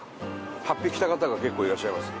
法被着た方が結構いらっしゃいます。